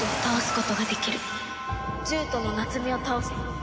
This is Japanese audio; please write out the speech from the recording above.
獣人の夏美を倒せ。